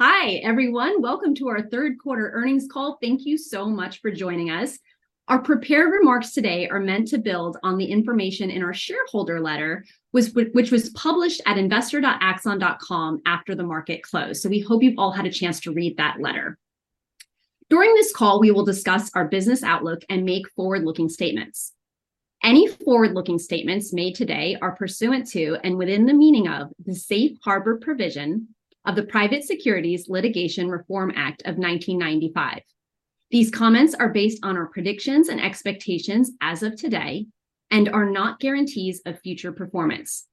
Hi, everyone. Welcome to our Third Quarter Earnings Call. Thank you so much for joining us. Our prepared remarks today are meant to build on the information in our shareholder letter, which was published at investor.axon.com after the market closed, so we hope you've all had a chance to read that letter. During this call, we will discuss our business outlook and make forward-looking statements. Any forward-looking statements made today are pursuant to, and within the meaning of, the Safe Harbor provision of the Private Securities Litigation Reform Act of 1995. These comments are based on our predictions and expectations as of today, and are not guarantees of future performance.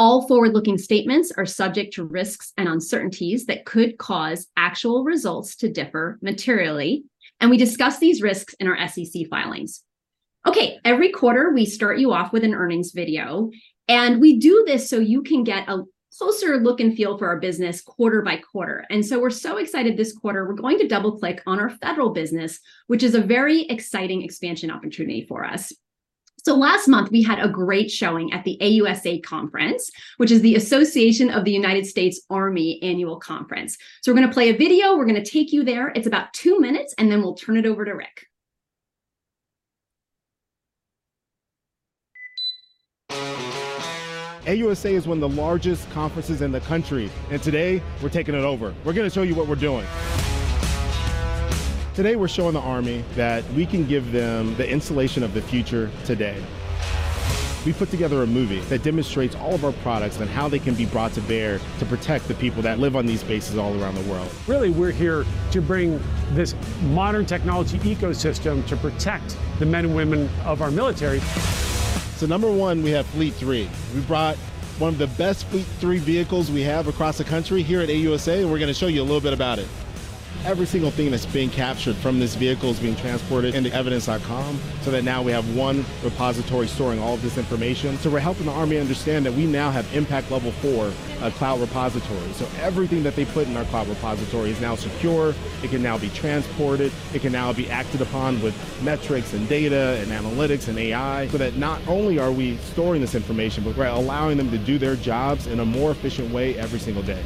All forward-looking statements are subject to risks and uncertainties that could cause actual results to differ materially, and we discuss these risks in our SEC filings. Okay, every quarter we start you off with an earnings video, and we do this so you can get a closer look and feel for our business quarter by quarter, and so we're so excited this quarter. We're going to double-click on our federal business, which is a very exciting expansion opportunity for us. So last month, we had a great showing at the AUSA Conference, which is the Association of the United States Army annual conference. So we're gonna play a video. We're gonna take you there. It's about two minutes, and then we'll turn it over to Rick. AUSA is one of the largest conferences in the country, and today, we're taking it over. We're gonna show you what we're doing. Today, we're showing the Army that we can give them the installation of the future today. We put together a movie that demonstrates all of our products and how they can be brought to bear to protect the people that live on these bases all around the world. Really, we're here to bring this modern technology ecosystem to protect the men and women of our military. So number one, we have Fleet 3. We brought one of the best Fleet 3 vehicles we have across the country here at AUSA, and we're gonna show you a little bit about it. Every single thing that's being captured from this vehicle is being transported into Evidence.com, so that now we have one repository storing all of this information. So we're helping the Army understand that we now have Impact Level 4 cloud repository, so everything that they put in our cloud repository is now secure. It can now be transported. It can now be acted upon with metrics, and data, and analytics, and AI, so that not only are we storing this information, but we're allowing them to do their jobs in a more efficient way every single day.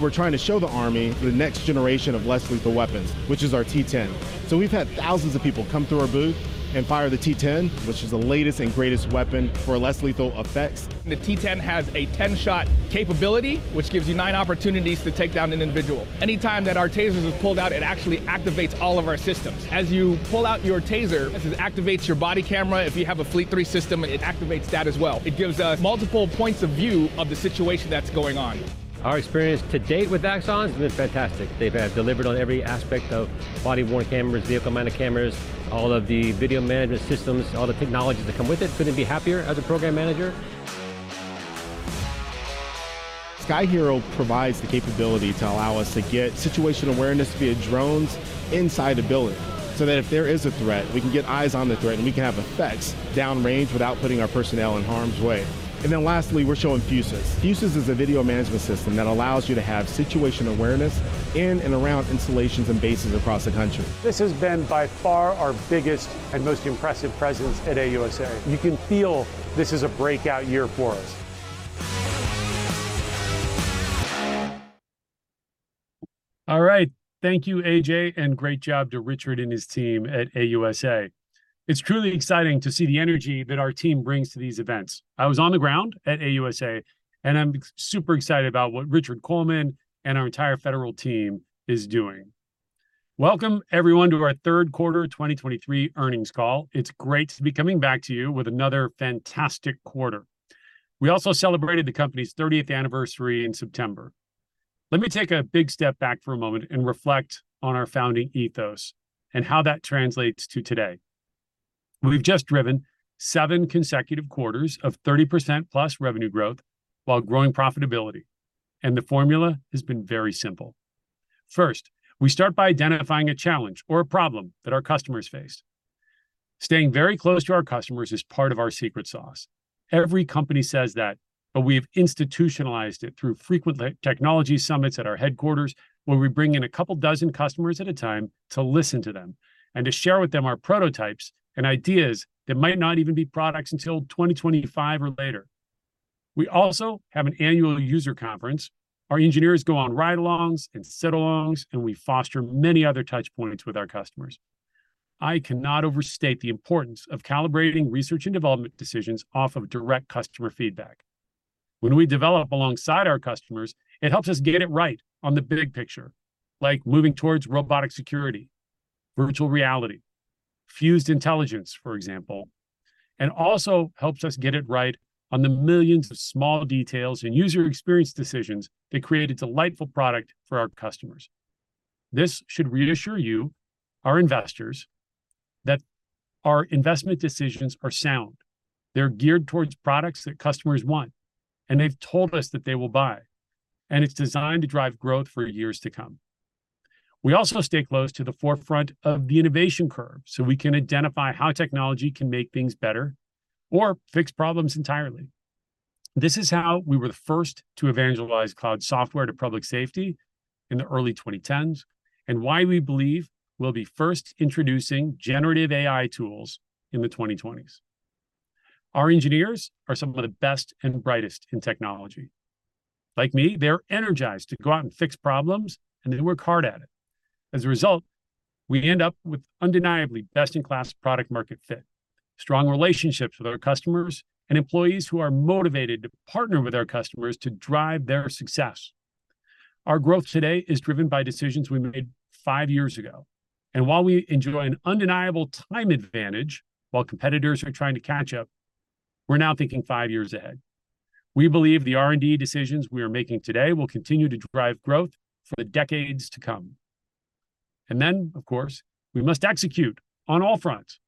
We're trying to show the Army the next generation of less lethal weapons, which is our T10. So we've had thousands of people come through our booth and fire the T10, which is the latest and greatest weapon for less lethal effects. The T10 has a 10-shot capability, which gives you nine opportunities to take down an individual. Anytime that our TASERs are pulled out, it actually activates all of our systems. As you pull out your TASER, it activates your body camera. If you have a Fleet 3 system, it activates that as well. It gives multiple points of view of the situation that's going on. Our experience to date with Axon has been fantastic. They've had delivered on every aspect of body-worn cameras, vehicle-mounted cameras, all of the video management systems, all the technologies that come with it. Couldn't be happier as a program manager. Sky-Hero provides the capability to allow us to get situational awareness via drones inside the building, so that if there is a threat, we can get eyes on the threat, and we can have effects downrange without putting our personnel in harm's way. And then lastly, we're showing Fusus. Fusus is a video management system that allows you to have situation awareness in and around installations and bases across the country. This has been by far our biggest and most impressive presence at AUSA. You can feel this is a breakout year for us. All right. Thank you, A.J. and great job to Richard and his team at AUSA. It's truly exciting to see the energy that our team brings to these events. I was on the ground at AUSA, and I'm super excited about what Richard Coleman and our entire federal team is doing. Welcome, everyone, to our Third Quarter 2023 Earnings Call. It's great to be coming back to you with another fantastic quarter. We also celebrated the company's 30th anniversary in September. Let me take a big step back for a moment and reflect on our founding ethos and how that translates to today. We've just driven seven consecutive quarters of 30%+ revenue growth, while growing profitability, and the formula has been very simple. First, we start by identifying a challenge or a problem that our customers face. Staying very close to our customers is part of our secret sauce. Every company says that, but we've institutionalized it through frequent technology summits at our headquarters, where we bring in a couple dozen customers at a time to listen to them, and to share with them our prototypes and ideas that might not even be products until 2025 or later. We also have an annual user conference. Our engineers go on ride-alongs and sit-alongs, and we foster many other touchpoints with our customers. I cannot overstate the importance of calibrating research and development decisions off of direct customer feedback. When we develop alongside our customers, it helps us get it right on the big picture, like moving towards robotic security, virtual reality, fused intelligence, for example, and also helps us get it right on the millions of small details and user experience decisions that create a delightful product for our customers. This should reassure you, our investors, that our investment decisions are sound. They're geared towards products that customers want, and they've told us that they will buy, and it's designed to drive growth for years to come. We also stay close to the forefront of the innovation curve, so we can identify how technology can make things better or fix problems entirely. This is how we were the first to evangelize cloud software to public safety in the early 2010s, and why we believe we'll be first introducing generative AI tools in the 2020s. Our engineers are some of the best and brightest in technology. Like me, they're energized to go out and fix problems, and they work hard at it. As a result, we end up with undeniably best-in-class product market fit, strong relationships with our customers, and employees who are motivated to partner with our customers to drive their success. Our growth today is driven by decisions we made five years ago, and while we enjoy an undeniable time advantage while competitors are trying to catch up, we're now thinking five years ahead. We believe the R&D decisions we are making today will continue to drive growth for the decades to come. And then, of course, we must execute on all fronts.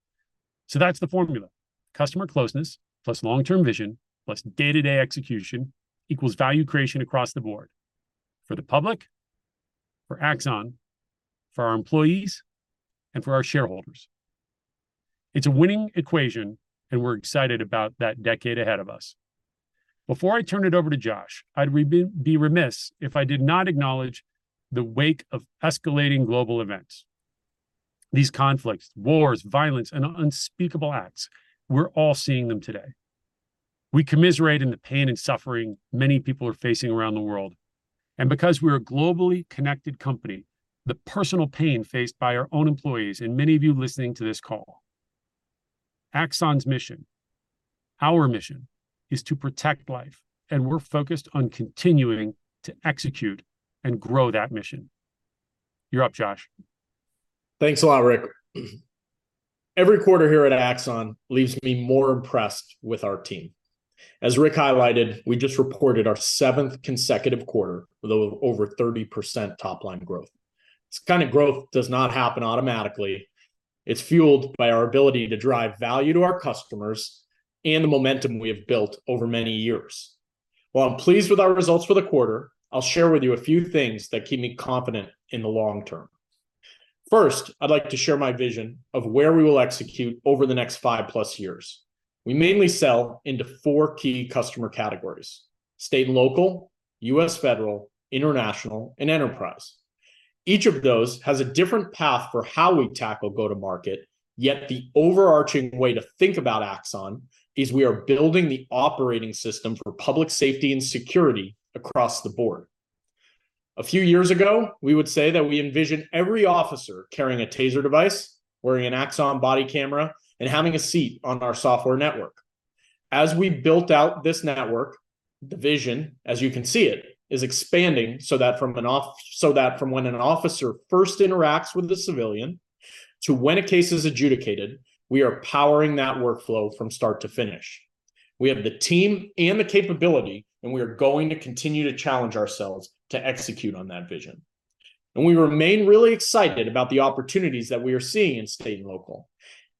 So that's the formula: customer closeness plus long-term vision, plus day-to-day execution, equals value creation across the board for the public, for Axon, for our employees, and for our shareholders. It's a winning equation, and we're excited about that decade ahead of us. Before I turn it over to Josh, I'd be remiss if I did not acknowledge the wake of escalating global events. These conflicts, wars, violence, and unspeakable acts, we're all seeing them today. We commiserate in the pain and suffering many people are facing around the world, and because we're a globally connected company, the personal pain faced by our own employees and many of you listening to this call. Axon's mission, our mission, is to protect life, and we're focused on continuing to execute and grow that mission. You're up, Josh. Thanks a lot, Rick. Every quarter here at Axon leaves me more impressed with our team. As Rick highlighted, we just reported our seventh consecutive quarter with over 30% top-line growth. This kind of growth does not happen automatically. It's fueled by our ability to drive value to our customers and the momentum we have built over many years. While I'm pleased with our results for the quarter, I'll share with you a few things that keep me confident in the long term. First, I'd like to share my vision of where we will execute over the next 5+ years. We mainly sell into four key customer categories: state and local, U.S. federal, international, and enterprise. Each of those has a different path for how we tackle go-to-market, yet the overarching way to think about Axon is we are building the operating system for public safety and security across the board. A few years ago, we would say that we envision every officer carrying a TASER device, wearing an Axon body camera, and having a seat on our software network. As we built out this network, the vision, as you can see it, is expanding so that from when an officer first interacts with a civilian to when a case is adjudicated, we are powering that workflow from start to finish. We have the team and the capability, and we are going to continue to challenge ourselves to execute on that vision. We remain really excited about the opportunities that we are seeing in state and local.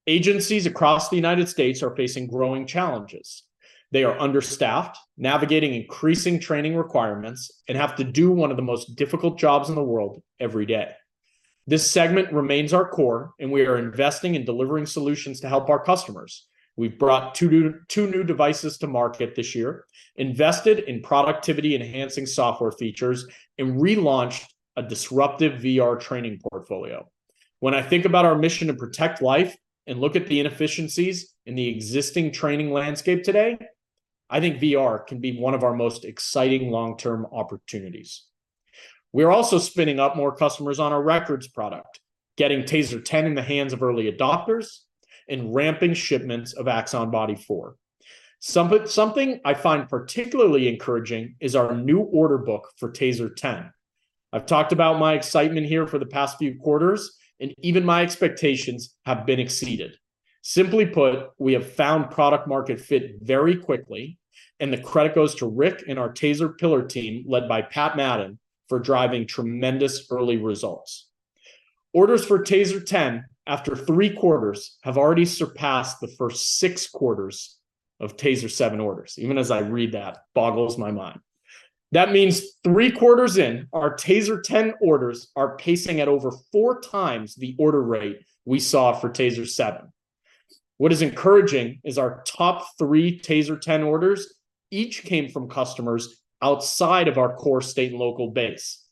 Agencies across the United States are facing growing challenges. They are understaffed, navigating increasing training requirements, and have to do one of the most difficult jobs in the world every day. This segment remains our core, and we are investing in delivering solutions to help our customers. We've brought two new, two new devices to market this year, invested in productivity-enhancing software features, and relaunched a disruptive VR training portfolio. When I think about our mission to protect life and look at the inefficiencies in the existing training landscape today, I think VR can be one of our most exciting long-term opportunities. We are also spinning up more customers on our records product, getting TASER 10 in the hands of early adopters, and ramping shipments of Axon Body 4. Something I find particularly encouraging is our new order book for TASER 10. I've talked about my excitement here for the past few quarters, and even my expectations have been exceeded. Simply put, we have found product market fit very quickly, and the credit goes to Rick and our TASER pillar team, led by Pat Madden, for driving tremendous early results. Orders for TASER 10 after three quarters have already surpassed the first six quarters of TASER 7 orders. Even as I read that, boggles my mind. That means three quarters in, our TASER 10 orders are pacing at over four times the order rate we saw for TASER 7. What is encouraging is our top three TASER 10 orders each came from customers outside of our core state and local base,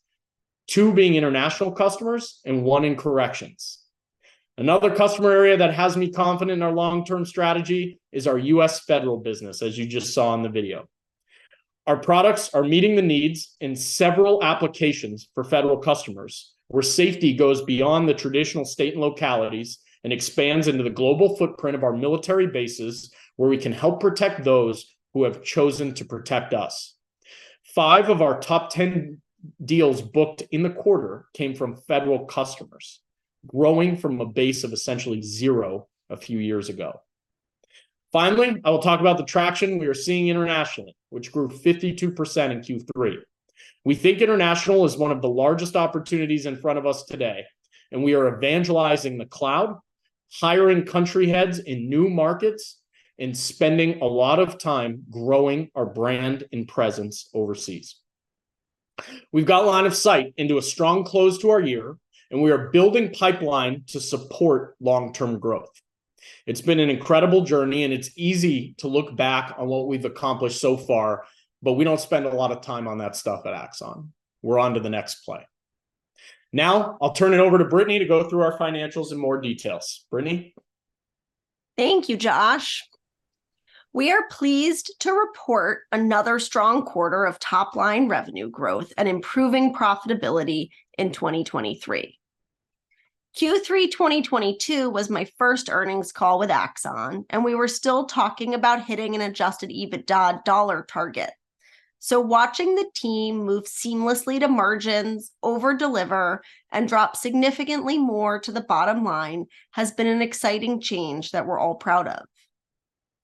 two being international customers and one in corrections. Another customer area that has me confident in our long-term strategy is our U.S. federal business, as you just saw in the video. Our products are meeting the needs in several applications for federal customers, where safety goes beyond the traditional state and localities and expands into the global footprint of our military bases, where we can help protect those who have chosen to protect us. Five of our top 10 deals booked in the quarter came from federal customers, growing from a base of essentially zero a few years ago. Finally, I will talk about the traction we are seeing internationally, which grew 52% in Q3. We think international is one of the largest opportunities in front of us today, and we are evangelizing the cloud, hiring country heads in new markets, and spending a lot of time growing our brand and presence overseas. We've got line of sight into a strong close to our year, and we are building pipeline to support long-term growth. It's been an incredible journey, and it's easy to look back on what we've accomplished so far, but we don't spend a lot of time on that stuff at Axon. We're on to the next play.... Now, I'll turn it over to Brittany to go through our financials in more details. Brittany? Thank you, Josh. We are pleased to report another strong quarter of top-line revenue growth and improving profitability in 2023. Q3 2022 was my first earnings call with Axon, and we were still talking about hitting an Adjusted EBITDA dollar target. So watching the team move seamlessly to margins, over-deliver, and drop significantly more to the bottom line has been an exciting change that we're all proud of.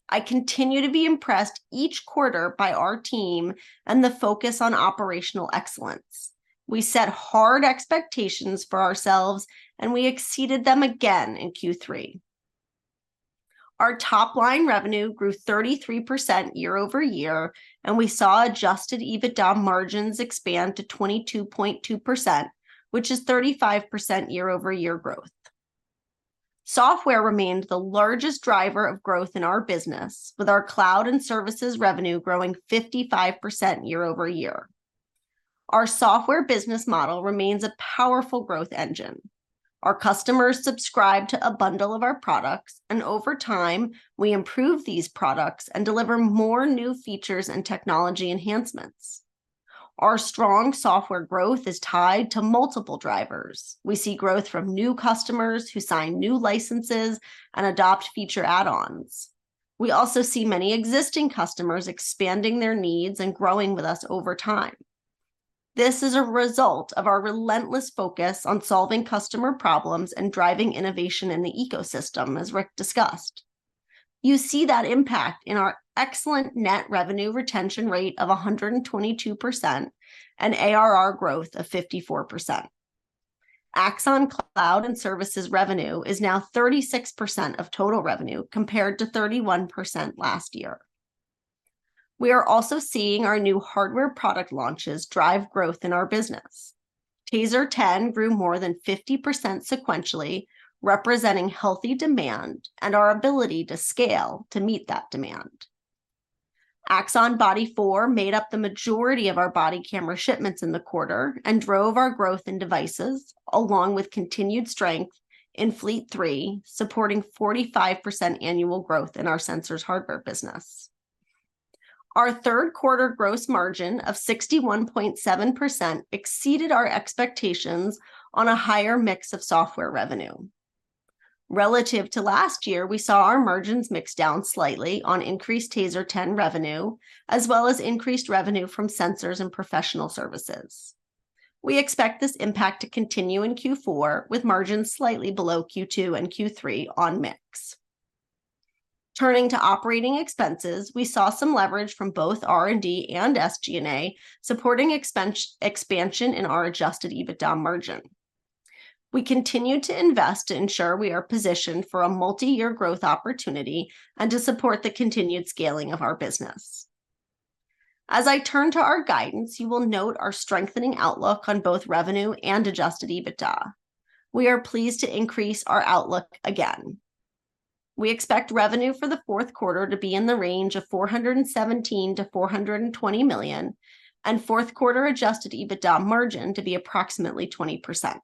I continue to be impressed each quarter by our team and the focus on operational excellence. We set hard expectations for ourselves, and we exceeded them again in Q3. Our top-line revenue grew 33% year-over-year, and we saw Adjusted EBITDA margins expand to 22.2%, which is 35% year-over-year growth. Software remains the largest driver of growth in our business, with our cloud and services revenue growing 55% year-over-year. Our software business model remains a powerful growth engine. Our customers subscribe to a bundle of our products, and over time, we improve these products and deliver more new features and technology enhancements. Our strong software growth is tied to multiple drivers. We see growth from new customers who sign new licenses and adopt feature add-ons. We also see many existing customers expanding their needs and growing with us over time. This is a result of our relentless focus on solving customer problems and driving innovation in the ecosystem, as Rick discussed. You see that impact in our excellent net revenue retention rate of 122% and ARR growth of 54%. Axon Cloud and services revenue is now 36% of total revenue, compared to 31% last year. We are also seeing our new hardware product launches drive growth in our business. TASER 10 grew more than 50% sequentially, representing healthy demand and our ability to scale to meet that demand. Axon Body 4 made up the majority of our body camera shipments in the quarter and drove our growth in devices, along with continued strength in Fleet 3, supporting 45% annual growth in our sensors hardware business. Our third quarter gross margin of 61.7% exceeded our expectations on a higher mix of software revenue. Relative to last year, we saw our margins mix down slightly on increased TASER 10 revenue, as well as increased revenue from sensors and professional services. We expect this impact to continue in Q4, with margins slightly below Q2 and Q3 on mix. Turning to operating expenses, we saw some leverage from both R&D and SG&A, supporting expansion in our Adjusted EBITDA margin. We continue to invest to ensure we are positioned for a multi-year growth opportunity and to support the continued scaling of our business. As I turn to our guidance, you will note our strengthening outlook on both revenue and Adjusted EBITDA. We are pleased to increase our outlook again. We expect revenue for the fourth quarter to be in the range of $417 million-$420 million, and fourth quarter Adjusted EBITDA margin to be approximately 20%.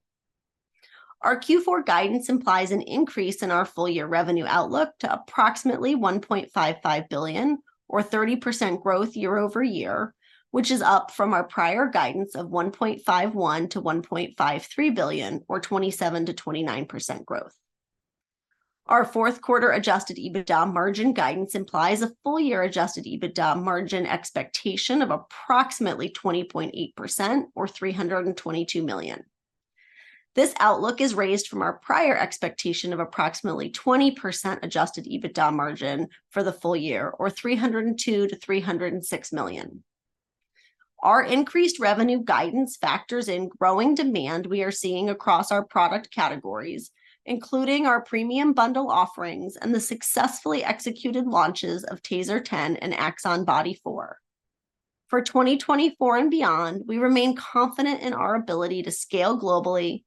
Our Q4 guidance implies an increase in our full-year revenue outlook to approximately $1.55 billion or 30% growth year-over-year, which is up from our prior guidance of $1.51-$1.53 billion, or 27%-29% growth. Our fourth quarter Adjusted EBITDA margin guidance implies a full-year Adjusted EBITDA margin expectation of approximately 20.8%, or $322 million. This outlook is raised from our prior expectation of approximately 20% Adjusted EBITDA margin for the full year, or $302 million-$306 million. Our increased revenue guidance factors in growing demand we are seeing across our product categories, including our premium bundle offerings and the successfully executed launches of TASER 10 and Axon Body 4. For 2024 and beyond, we remain confident in our ability to scale globally,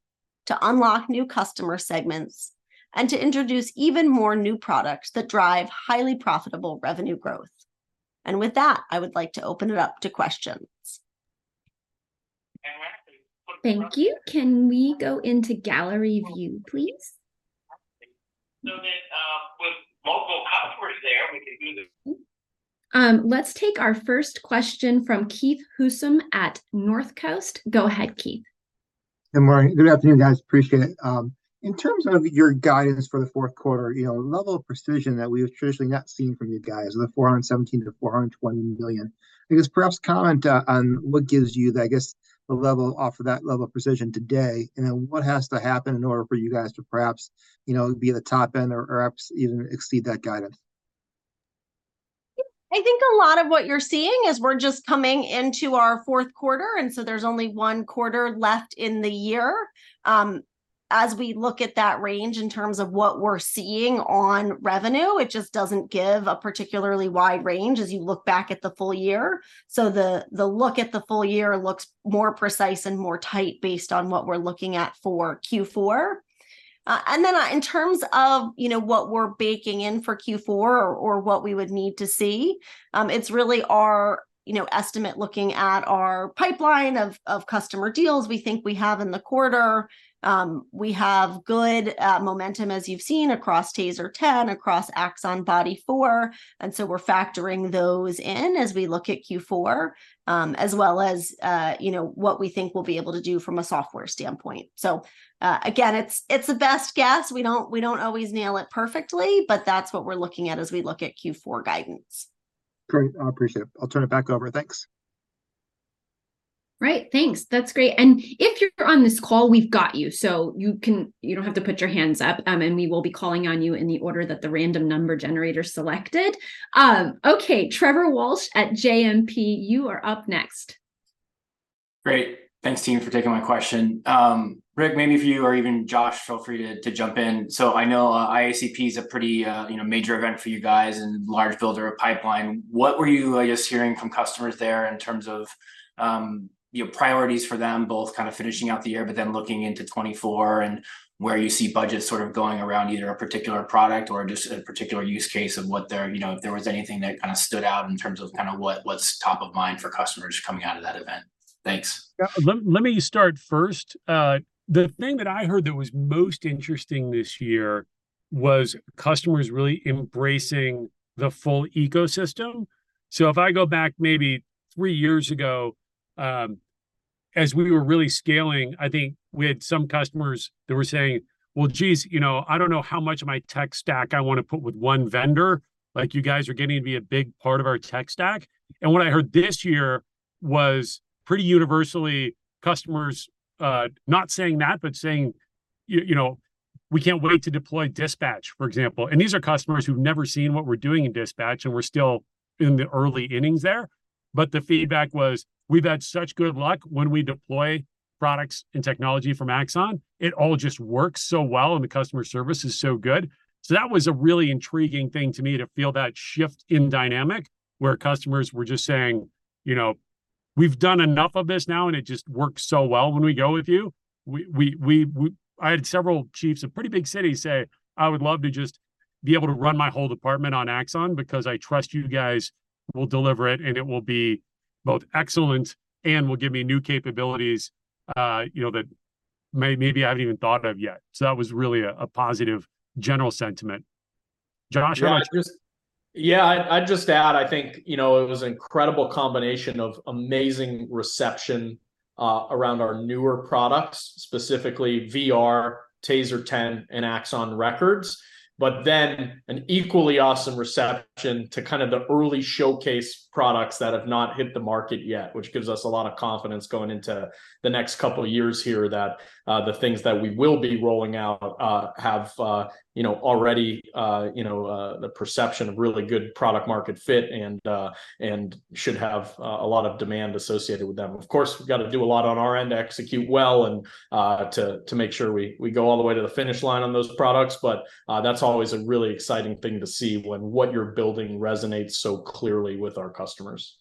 to unlock new customer segments, and to introduce even more new products that drive highly profitable revenue growth. With that, I would like to open it up to questions. Thank you. Can we go into gallery view, please? With multiple customers there, we can do this. Let's take our first question from Keith Housum at Northcoast. Go ahead, Keith. Good morning. Good afternoon, guys. Appreciate it. In terms of your guidance for the fourth quarter, you know, level of precision that we have traditionally not seen from you guys, the $417 million-$420 million. I guess perhaps comment on what gives you the, I guess, the level... offer that level of precision today, and then what has to happen in order for you guys to perhaps, you know, be at the top end or, or perhaps even exceed that guidance? I think a lot of what you're seeing is we're just coming into our fourth quarter, and so there's only one quarter left in the year. As we look at that range in terms of what we're seeing on revenue, it just doesn't give a particularly wide range as you look back at the full year. So the look at the full year looks more precise and more tight based on what we're looking at for Q4. And then, in terms of, you know, what we're baking in for Q4 or what we would need to see, it's really our, you know, estimate looking at our pipeline of customer deals we think we have in the quarter. We have good momentum, as you've seen, across TASER 10, across Axon Body 4, and so we're factoring those in as we look at Q4, as well as, you know, what we think we'll be able to do from a software standpoint. So, again, it's a best guess. We don't always nail it perfectly, but that's what we're looking at as we look at Q4 guidance. Great. I appreciate it. I'll turn it back over. Thanks. Right, thanks. That's great. And if you're on this call, we've got you, so you can... You don't have to put your hands up, and we will be calling on you in the order that the random number generator selected. Okay, Trevor Walsh at JMP, you are up next. Great. Thanks, team, for taking my question. Rick, maybe if you or even Josh, feel free to, to jump in. So I know, IACP is a pretty, you know, major event for you guys and large builder of pipeline. What were you, I guess, hearing from customers there in terms of, you know, priorities for them, both kind of finishing out the year, but then looking into 2024, and where you see budgets sort of going around either a particular product or just a particular use case of what they're. You know, if there was anything that kind of stood out in terms of kind of what, what's top of mind for customers coming out of that event? Thanks. Yeah, let me start first. The thing that I heard that was most interesting this year was customers really embracing the full ecosystem. So if I go back maybe three years ago, as we were really scaling, I think we had some customers that were saying, "Well, geez, you know, I don't know how much of my tech stack I wanna put with one vendor, like, you guys are getting to be a big part of our tech stack." And what I heard this year was pretty universally customers not saying that, but saying, "you know, we can't wait to deploy Dispatch," for example. And these are customers who've never seen what we're doing in Dispatch, and we're still in the early innings there. But the feedback was, "We've had such good luck when we deploy products and technology from Axon. It all just works so well, and the customer service is so good." So that was a really intriguing thing to me, to feel that shift in dynamic, where customers were just saying, "You know, we've done enough of this now, and it just works so well when we go with you." I had several chiefs of pretty big cities say, "I would love to just be able to run my whole department on Axon, because I trust you guys will deliver it, and it will be both excellent and will give me new capabilities, you know, that maybe I haven't even thought of yet." So that was really a positive general sentiment. Josh? Yeah, I'd just add, I think, you know, it was incredible combination of amazing reception around our newer products, specifically VR, TASER 10, and Axon Records. But then, an equally awesome reception to kind of the early showcase products that have not hit the market yet, which gives us a lot of confidence going into the next couple of years here, that the things that we will be rolling out have, you know, already, you know, the perception of really good product market fit and, and should have a lot of demand associated with them. Of course, we've gotta do a lot on our end to execute well and to make sure we go all the way to the finish line on those products, but that's always a really exciting thing to see when what you're building resonates so clearly with our customers.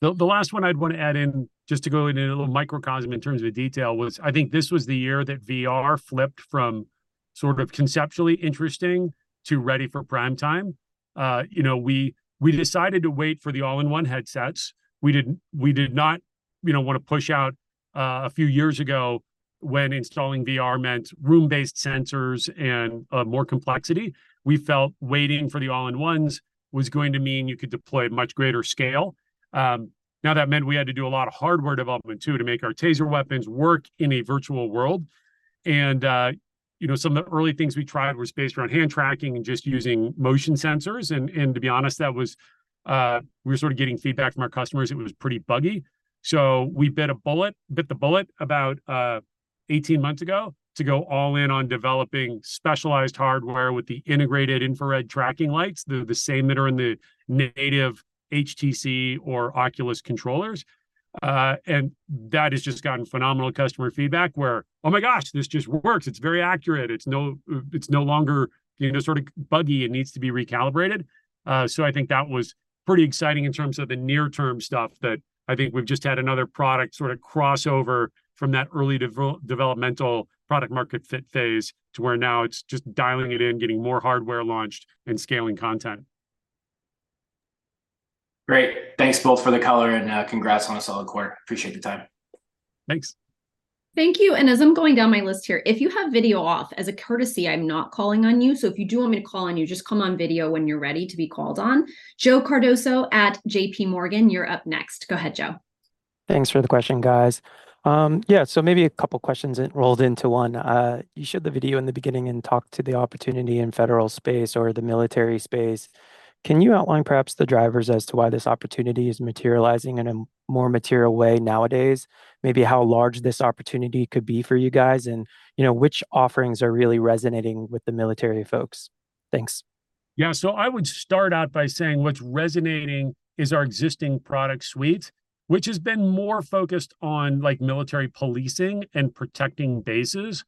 The last one I'd wanna add in, just to go into a little microcosm in terms of detail was, I think this was the year that VR flipped from sort of conceptually interesting to ready for prime time. You know, we decided to wait for the all-in-one headsets. We didn't—we did not, you know, wanna push out a few years ago, when installing VR meant room-based sensors and more complexity. We felt waiting for the all-in-ones was going to mean you could deploy at much greater scale. Now, that meant we had to do a lot of hardware development, too, to make our TASER weapons work in a virtual world. You know, some of the early things we tried was based around hand tracking and just using motion sensors, and to be honest, that was... We were sort of getting feedback from our customers it was pretty buggy. So we bit a bullet- bit the bullet about 18 months ago to go all in on developing specialized hardware with the integrated infrared tracking lights, the, the same that are in the native HTC or Oculus controllers. And that has just gotten phenomenal customer feedback, where, "Oh, my gosh, this just works! It's very accurate. It's no, it's no longer, you know, sort of buggy, and needs to be recalibrated." So I think that was pretty exciting in terms of the near-term stuff, that I think we've just had another product sort of cross over from that early developmental product market fit phase to where now it's just dialing it in, getting more hardware launched, and scaling content. Great, thanks both for the color, and congrats on a solid quarter. Appreciate the time. Thanks. Thank you, and as I'm going down my list here, if you have video off, as a courtesy, I'm not calling on you. So if you do want me to call on you, just come on video when you're ready to be called on. Joe Cardoso at JPMorgan, you're up next. Go ahead, Joe. Thanks for the question, guys. Yeah, so maybe a couple questions rolled into one. You showed the video in the beginning and talked to the opportunity in federal space or the military space. Can you outline perhaps the drivers as to why this opportunity is materializing in a more material way nowadays? Maybe how large this opportunity could be for you guys, and, you know, which offerings are really resonating with the military folks? Thanks. Yeah, so I would start out by saying what's resonating is our existing product suite, which has been more focused on, like, military policing and protecting bases.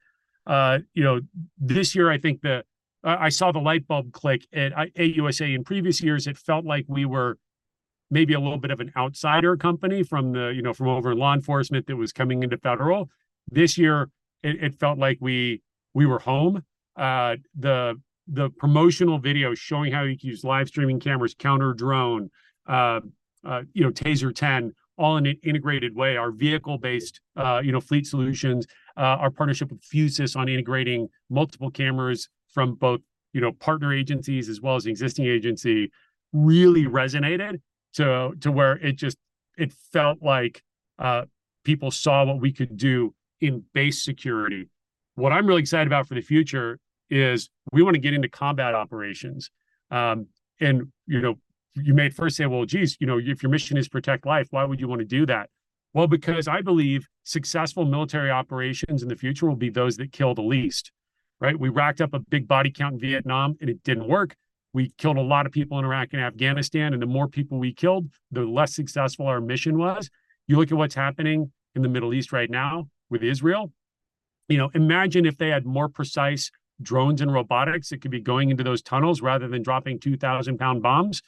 You know, this year, I think I saw the light bulb click at AUSA. In previous years, it felt like we were maybe a little bit of an outsider company from the, you know, from over in law enforcement that was coming into federal. This year, it felt like we were home. The promotional video showing how you can use live streaming cameras, counter drone, you know, TASER 10, all in an integrated way. Our vehicle-based, you know, fleet solutions, our partnership with Fusus on integrating multiple cameras from both, you know, partner agencies as well as the existing agency, really resonated to, to where it just, it felt like, people saw what we could do in base security. What I'm really excited about for the future is we wanna get into combat operations. And, you know, you may at first say, "Well, geez, you know, if your mission is protect life, why would you wanna do that?" Well, because I believe successful military operations in the future will be those that kill the least, right? We racked up a big body count in Vietnam, and it didn't work. We killed a lot of people in Iraq and Afghanistan, and the more people we killed, the less successful our mission was. You look at what's happening in the Middle East right now with Israel, you know, imagine if they had more precise drones and robotics that could be going into those tunnels rather than dropping 2,000-pound bombs,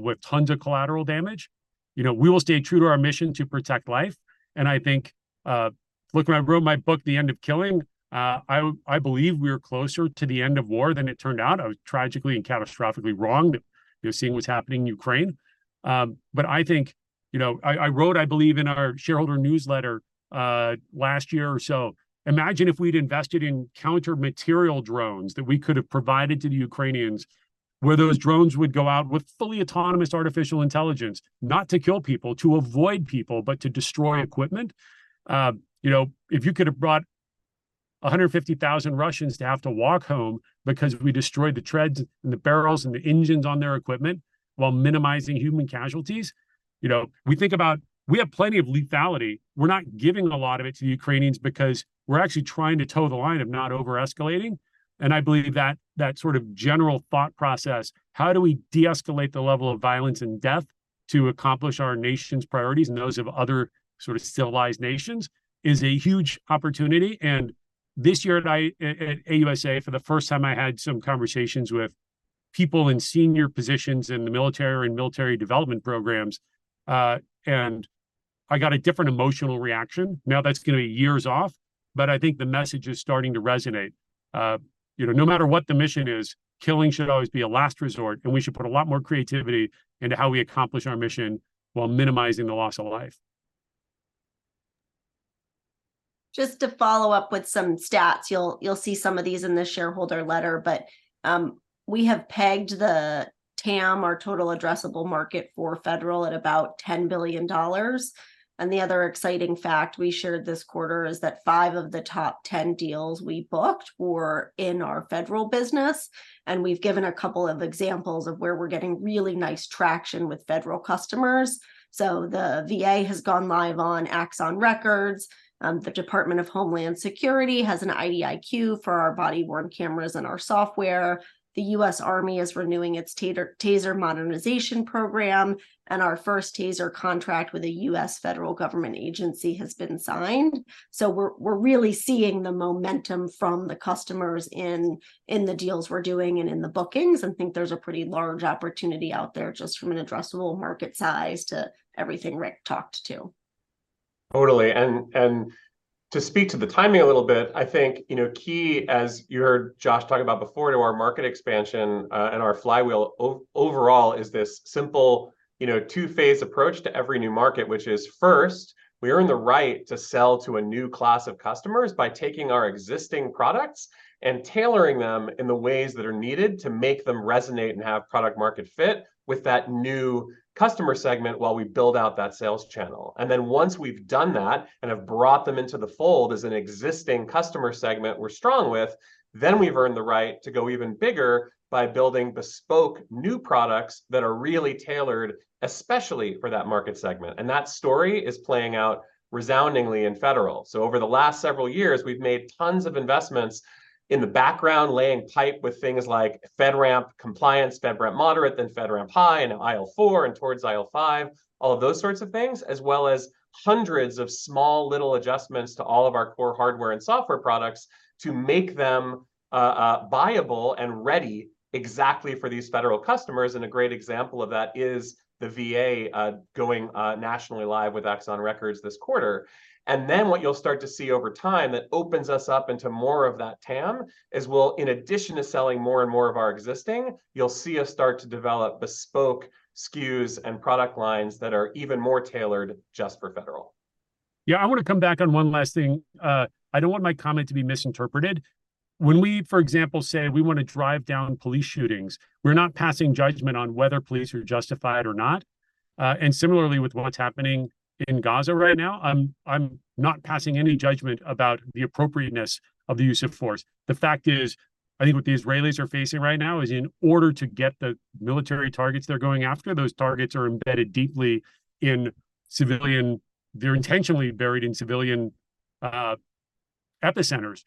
with tons of collateral damage. You know, we will stay true to our mission to protect life, and I think, look, when I wrote my book, The End of Killing, I, I believe we were closer to the end of war than it turned out. I was tragically and catastrophically wrong, you know, seeing what's happening in Ukraine. But I think, you know, I wrote, I believe, in our shareholder newsletter last year or so, imagine if we'd invested in counter-materiel drones that we could have provided to the Ukrainians, where those drones would go out with fully autonomous artificial intelligence, not to kill people, to avoid people, but to destroy equipment. You know, if you could have brought 150,000 Russians to have to walk home because we destroyed the treads and the barrels and the engines on their equipment while minimizing human casualties. You know, we think about, we have plenty of lethality. We're not giving a lot of it to the Ukrainians because we're actually trying to toe the line of not over-escalating, and I believe that that sort of general thought process, how do we de-escalate the level of violence and death to accomplish our nation's priorities and those of other sort of civilized nations, is a huge opportunity. And this year, at AUSA, for the first time, I had some conversations with people in senior positions in the military or in military development programs, and I got a different emotional reaction. Now, that's gonna be years off, but I think the message is starting to resonate. You know, no matter what the mission is, killing should always be a last resort, and we should put a lot more creativity into how we accomplish our mission while minimizing the loss of life. Just to follow up with some stats, you'll, you'll see some of these in the shareholder letter, but we have pegged the TAM, or total addressable market, for federal at about $10 billion. The other exciting fact we shared this quarter is that five of the top 10 deals we booked were in our federal business, and we've given a couple of examples of where we're getting really nice traction with federal customers. The VA has gone live on Axon Records, the Department of Homeland Security has an IDIQ for our body-worn cameras and our software. The U.S. Army is renewing its TASER modernization program, and our first TASER contract with a U.S. federal government agency has been signed. We're really seeing the momentum from the customers in the deals we're doing and in the bookings, and think there's a pretty large opportunity out there, just from an addressable market size to everything Rick talked to. Totally. And to speak to the timing a little bit, I think, you know, key, as you heard Josh talk about before, to our market expansion, and our flywheel overall, is this simple, you know, two-phase approach to every new market. Which is, first, we earn the right to sell to a new class of customers by taking our existing products and tailoring them in the ways that are needed to make them resonate and have product-market fit with that new customer segment while we build out that sales channel. And then once we've done that and have brought them into the fold as an existing customer segment we're strong with, then we've earned the right to go even bigger by building bespoke new products that are really tailored, especially for that market segment, and that story is playing out resoundingly in federal. So over the last several years, we've made tons of investments in the background, laying pipe with things like FedRAMP compliance, FedRAMP Moderate, then FedRAMP High, and now IL4 and towards IL5, all of those sorts of things, as well as hundreds of small little adjustments to all of our core hardware and software products to make them buyable and ready exactly for these federal customers. And a great example of that is the VA going nationally live with Axon Records this quarter. And then what you'll start to see over time, that opens us up into more of that TAM, is we'll, in addition to selling more and more of our existing, you'll see us start to develop bespoke SKUs and product lines that are even more tailored just for federal. Yeah, I wanna come back on one last thing. I don't want my comment to be misinterpreted. When we, for example, say we wanna drive down police shootings, we're not passing judgment on whether police are justified or not. And similarly, with what's happening in Gaza right now, I'm not passing any judgment about the appropriateness of the use of force. The fact is, I think what the Israelis are facing right now is in order to get the military targets they're going after, those targets are embedded deeply in civilian... They're intentionally buried in civilian epicenters.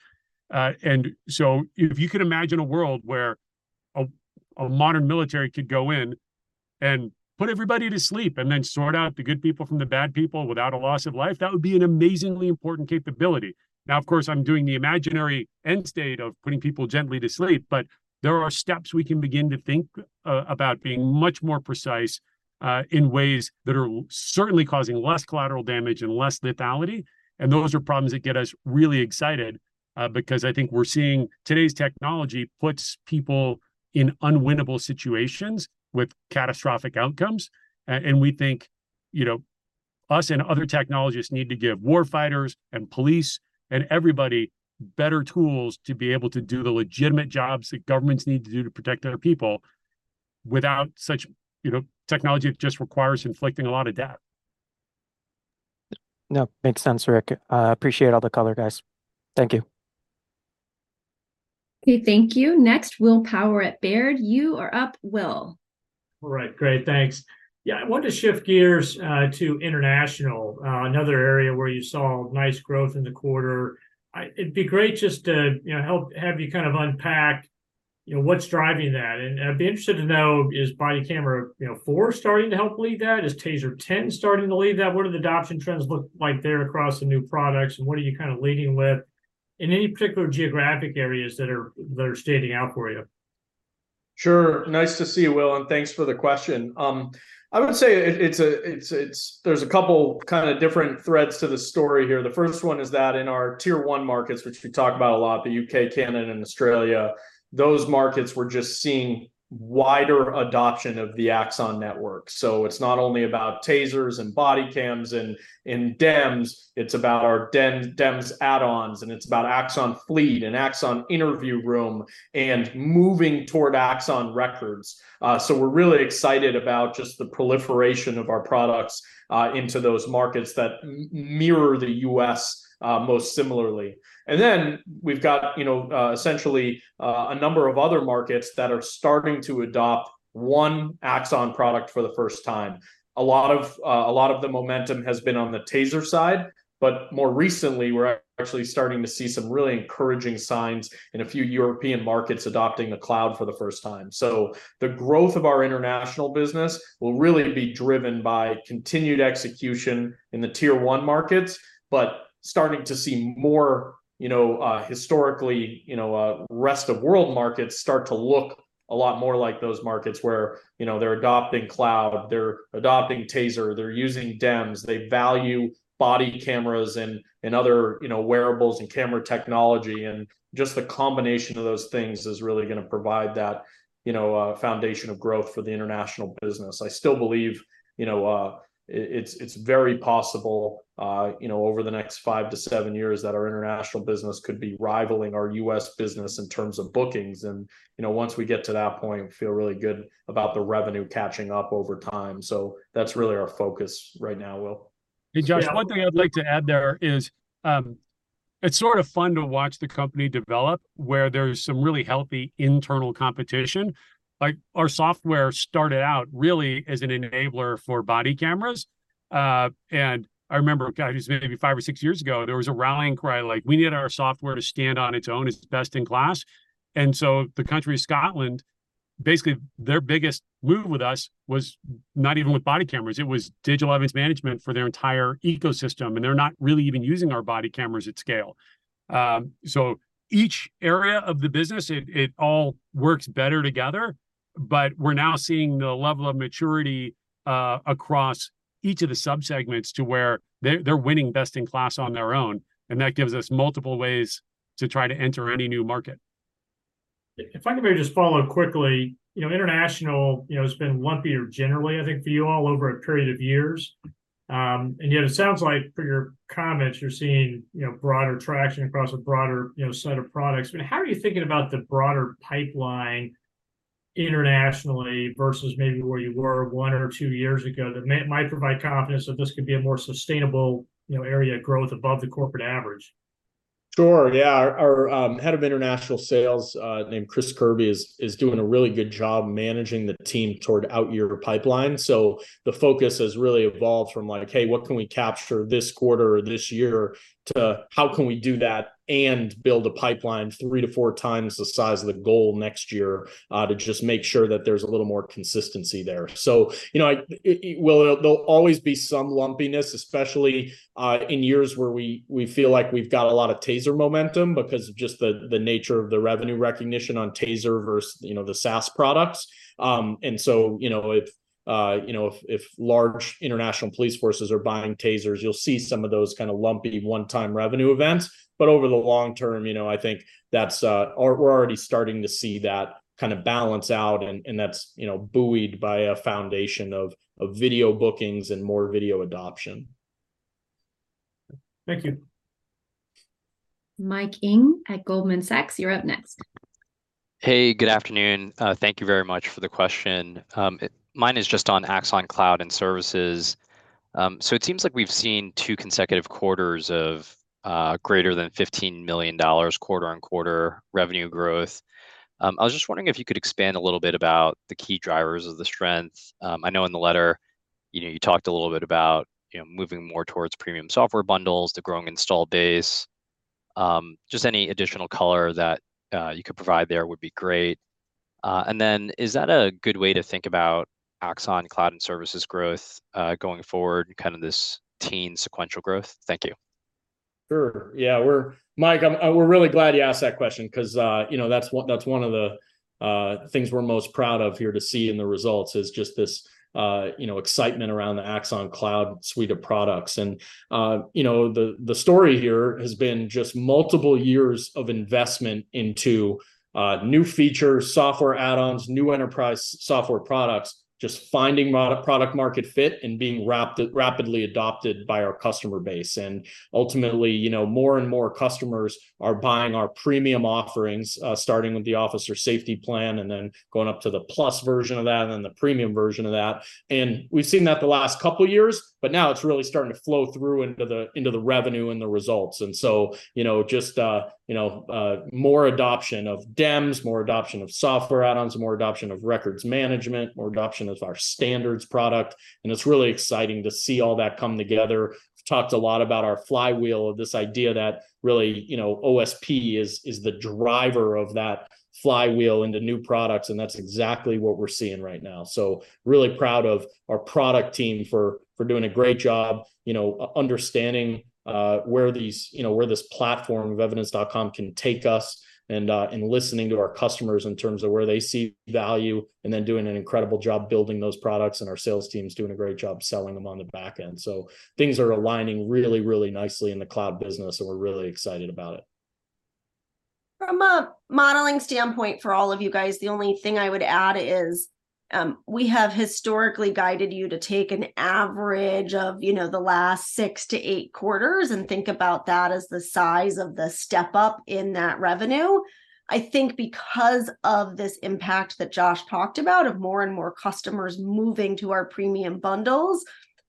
And so if you could imagine a world where a modern military could go in and put everybody to sleep, and then sort out the good people from the bad people without a loss of life, that would be an amazingly important capability. Now, of course, I'm doing the imaginary end state of putting people gently to sleep, but there are steps we can begin to think about being much more precise in ways that are certainly causing less collateral damage and less lethality. And those are problems that get us really excited, because I think we're seeing today's technology puts people in unwinnable situations with catastrophic outcomes. And we think, you know, us and other technologists need to give war fighters and police and everybody better tools to be able to do the legitimate jobs that governments need to do to protect their people without such, you know, technology that just requires inflicting a lot of death. No, makes sense, Rick. I appreciate all the color, guys. Thank you. Okay, thank you. Next, Will Power at Baird. You are up, Will. All right, great, thanks. Yeah, I wanted to shift gears to international, another area where you saw nice growth in the quarter. It'd be great just to, you know, help have you kind of unpack, you know, what's driving that. And I'd be interested to know, is Body Camera 4 starting to help lead that? Is TASER 10 starting to lead that? What do the adoption trends look like there across the new products, and what are you kind of leading with in any particular geographic areas that are standing out for you? Sure. Nice to see you, Will, and thanks for the question. I would say it's... There's a couple kind of different threads to the story here. The first one is that in our tier one markets, which we talk about a lot, the U.K., Canada, and Australia, those markets, we're just seeing wider adoption of the Axon network. So it's not only about TASERs and bodycams and DEMS, it's about our DEMS add-ons, and it's about Axon Fleet and Axon Interview Room, and moving toward Axon Records. So we're really excited about just the proliferation of our products into those markets that mirror the U.S. most similarly. And then we've got, you know, a number of other markets that are starting to adopt one Axon product for the first time. A lot of, a lot of the momentum has been on the TASER side, but more recently, we're actually starting to see some really encouraging signs in a few European markets adopting the cloud for the first time. So the growth of our international business will really be driven by continued execution in the tier one markets. But starting to see more, you know, historically, you know, rest of world markets start to look a lot more like those markets where, you know, they're adopting cloud, they're adopting TASER, they're using DEMS, they value body cameras and, and other, you know, wearables and camera technology. And just the combination of those things is really gonna provide that, you know, foundation of growth for the international business. I still believe, you know, it's very possible, you know, over the next 5-7 years, that our international business could be rivaling our U.S. business in terms of bookings. And, you know, once we get to that point, feel really good about the revenue catching up over time. So that's really our focus right now, Will. And Josh- Yeah One thing I'd like to add there is, it's sort of fun to watch the company develop, where there's some really healthy internal competition. Like, our software started out really as an enabler for body cameras. And I remember, gosh, this maybe five or six years ago, there was a rallying cry, like, we need our software to stand on its own as best-in-class. And so the country of Scotland, basically, their biggest move with us was not even with body cameras, it was digital evidence management for their entire ecosystem, and they're not really even using our body cameras at scale. So each area of the business, it all works better together, but we're now seeing the level of maturity across each of the sub-segments to where they're winning best-in-class on their own, and that gives us multiple ways to try to enter any new market. If I could maybe just follow quickly, you know, international, you know, has been lumpier generally, I think, for you all over a period of years. And yet it sounds like from your comments, you're seeing, you know, broader traction across a broader, you know, set of products. But how are you thinking about the broader pipeline internationally versus maybe where you were one or two years ago, that might provide confidence that this could be a more sustainable, you know, area of growth above the corporate average? Sure, yeah. Our head of international sales, named Chris Kirby, is doing a really good job managing the team toward out-year pipeline. So the focus has really evolved from like, "Hey, what can we capture this quarter or this year?" To, "How can we do that and build a pipeline three to four times the size of the goal next year, to just make sure that there's a little more consistency there?" So, you know, it... Well, there'll always be some lumpiness, especially, in years where we feel like we've got a lot of TASER momentum because of just the nature of the revenue recognition on TASER versus, you know, the SaaS products. And so, you know, if large international police forces are buying TASERs, you'll see some of those kind of lumpy one-time revenue events. But over the long term, you know, I think that's or we're already starting to see that kind of balance out, and that's, you know, buoyed by a foundation of video bookings and more video adoption. Thank you. Mike Ng at Goldman Sachs, you're up next. Hey, good afternoon. Thank you very much for the question. Mine is just on Axon Cloud and services. So it seems like we've seen two consecutive quarters of greater than $15 million quarter-on-quarter revenue growth. I was just wondering if you could expand a little bit about the key drivers of the strength. I know in the letter... You know, you talked a little bit about, you know, moving more towards premium software bundles, the growing install base. Just any additional color that you could provide there would be great. And then is that a good way to think about Axon Cloud and services growth going forward in kind of this teen sequential growth? Thank you. Sure. Yeah, Mike, we're really glad you asked that question, 'cause, you know, that's one, that's one of the things we're most proud of here to see in the results, is just this, you know, excitement around the Axon Cloud suite of products. And, you know, the story here has been just multiple years of investment into new features, software add-ons, new enterprise software products, just finding product market fit and being rapidly adopted by our customer base. And ultimately, you know, more and more customers are buying our premium offerings, starting with the Officer Safety Plan, and then going up to the Plus version of that, and then the Premium version of that. And we've seen that the last couple years, but now it's really starting to flow through into the revenue and the results. And so, you know, just, you know, more adoption of DEMS, more adoption of software add-ons, more adoption of records management, more adoption of our standards product, and it's really exciting to see all that come together. We've talked a lot about our flywheel, of this idea that really, you know, OSP is the driver of that flywheel into new products, and that's exactly what we're seeing right now. So really proud of our product team for doing a great job, you know, understanding where these, you know, where this platform of evidence.com can take us, and listening to our customers in terms of where they see value, and then doing an incredible job building those products, and our sales team's doing a great job selling them on the back end. Things are aligning really, really nicely in the cloud business, and we're really excited about it. From a modeling standpoint for all of you guys, the only thing I would add is, we have historically guided you to take an average of, you know, the last six to eight quarters and think about that as the size of the step-up in that revenue. I think because of this impact that Josh talked about, of more and more customers moving to our premium bundles,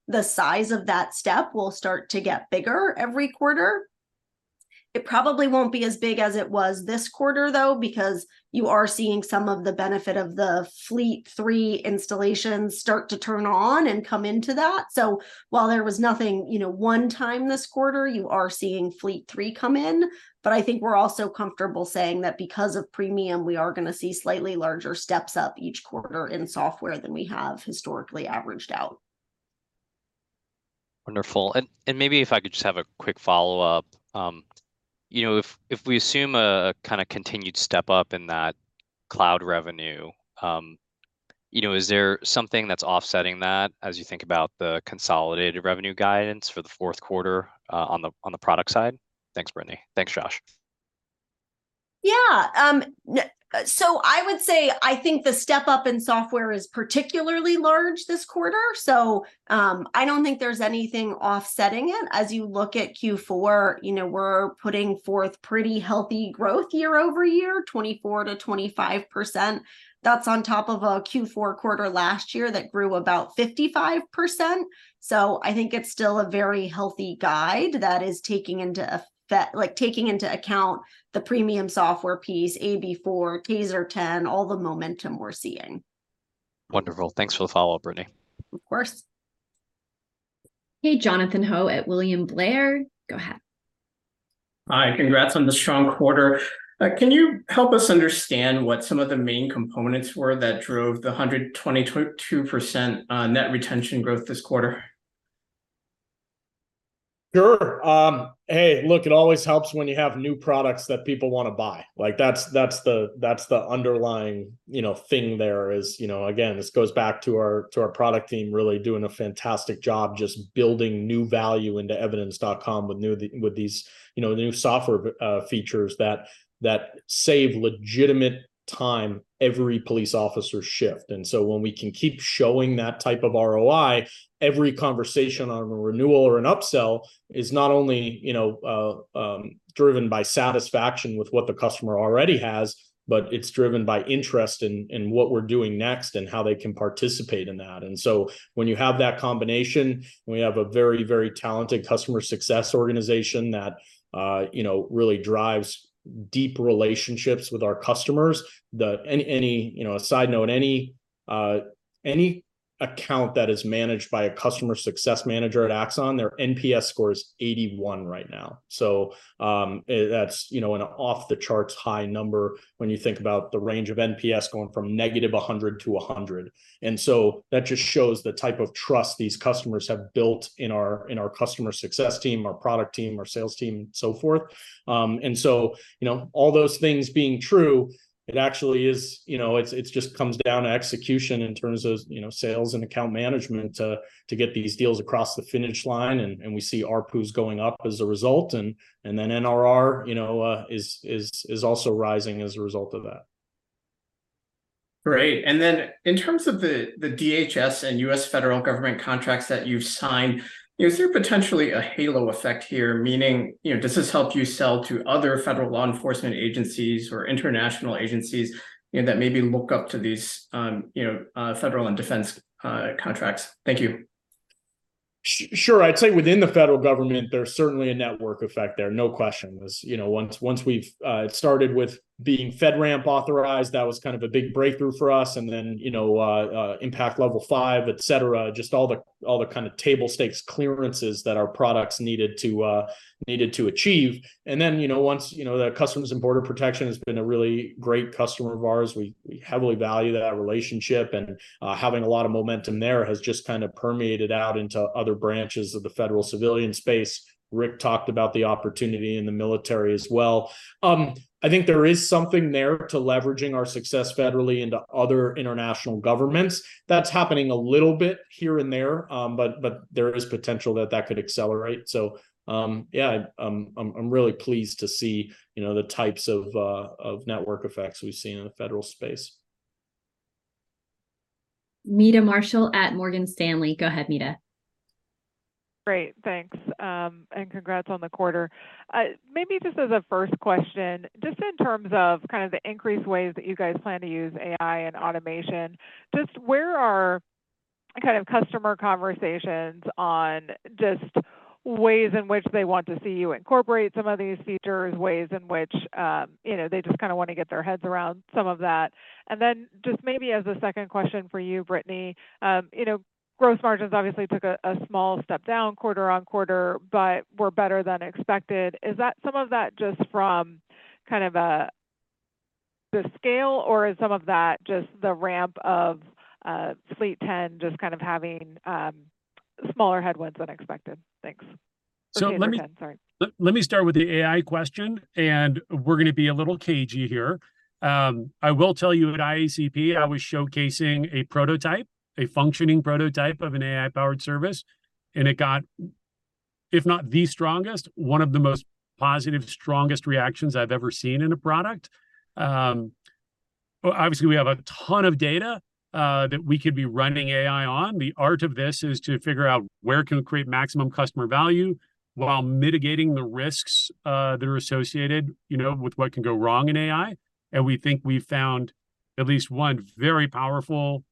the size of that step will start to get bigger every quarter. It probably won't be as big as it was this quarter, though, because you are seeing some of the benefit of the Fleet 3 installations start to turn on and come into that. So while there was nothing, you know, one time this quarter, you are seeing Fleet 3 come in. I think we're also comfortable saying that because of premium, we are gonna see slightly larger steps up each quarter in software than we have historically averaged out. Wonderful. And, maybe if I could just have a quick follow-up. You know, if we assume a kind of continued step-up in that cloud revenue, you know, is there something that's offsetting that as you think about the consolidated revenue guidance for the fourth quarter, on the product side? Thanks, Brittany. Thanks, Josh. Yeah, so I would say, I think the step-up in software is particularly large this quarter, so, I don't think there's anything offsetting it. As you look at Q4, you know, we're putting forth pretty healthy growth year-over-year, 24%-25%. That's on top of a Q4 quarter last year that grew about 55%. So I think it's still a very healthy guide that is taking into like, taking into account the premium software piece, AB4, TASER 10, all the momentum we're seeing. Wonderful. Thanks for the follow-up, Brittany. Of course. Hey, Jonathan Ho at William Blair. Go ahead. Hi, congrats on the strong quarter. Can you help us understand what some of the main components were that drove the 122% net retention growth this quarter? Sure. Hey, look, it always helps when you have new products that people want to buy. Like, that's the underlying, you know, thing there is, you know. Again, this goes back to our product team really doing a fantastic job just building new value into evidence.com with these, you know, new software features that save legitimate time every police officer's shift. And so when we can keep showing that type of ROI, every conversation on a renewal or an upsell is not only, you know, driven by satisfaction with what the customer already has, but it's driven by interest in what we're doing next and how they can participate in that. And so when you have that combination, and we have a very, very talented customer success organization that, you know, really drives deep relationships with our customers, a side note, any account that is managed by a customer success manager at Axon, their NPS score is 81 right now. So, that's, you know, an off-the-charts high number when you think about the range of NPS going from negative 100 to 100. And so that just shows the type of trust these customers have built in our, in our customer success team, our product team, our sales team, so forth. And so, you know, all those things being true, it actually is, you know, it's just comes down to execution in terms of, you know, sales and account management to get these deals across the finish line, and we see ARPUs going up as a result, and then NRR, you know, is also rising as a result of that. Great. Then in terms of the DHS and U.S. federal government contracts that you've signed, is there potentially a halo effect here? Meaning, you know, does this help you sell to other federal law enforcement agencies or international agencies, you know, that maybe look up to these, you know, federal and defense contracts? Thank you. Sure, I'd say within the federal government, there's certainly a network effect there, no question. As you know, once we've started with being FedRAMP authorized, that was kind of a big breakthrough for us, and then, you know, Impact Level 5, et cetera, just all the kind of table stakes clearances that our products needed to achieve. And then, you know, once you know, the Customs and Border Protection has been a really great customer of ours, we heavily value that relationship, and having a lot of momentum there has just kind of permeated out into other branches of the federal civilian space. Rick talked about the opportunity in the military as well. I think there is something there to leveraging our success federally into other international governments. That's happening a little bit here and there, but there is potential that that could accelerate. So, yeah, I'm really pleased to see, you know, the types of network effects we've seen in the federal space. Meta Marshall at Morgan Stanley. Go ahead, Meta. Great, thanks. Congrats on the quarter. Maybe just as a first question, just in terms of kind of the increased ways that you guys plan to use AI and automation, just where are kind of customer conversations on just ways in which they want to see you incorporate some of these features, ways in which, you know, they just kinda wanna get their heads around some of that? And then just maybe as a second question for you, Brittany, you know, gross margins obviously took a small step down quarter-over-quarter, but were better than expected. Is that some of that just from kind of the scale, or is some of that just the ramp of TASER 10 just kind of having smaller headwinds than expected? Thanks. So let me-... Sorry. Let me start with the AI question, and we're gonna be a little cagey here. I will tell you at IACP, I was showcasing a prototype, a functioning prototype of an AI-powered service, and it got, if not the strongest, one of the most positive, strongest reactions I've ever seen in a product. Well, obviously, we have a ton of data that we could be running AI on. The art of this is to figure out where can we create maximum customer value while mitigating the risks that are associated, you know, with what can go wrong in AI, and we think we've found at least one very powerful